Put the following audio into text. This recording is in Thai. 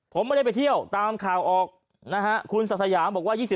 ผมไม่ได้ไปเที่ยวตามข่าวออกนะฮะคุณสาธายาบอกว่า๒๕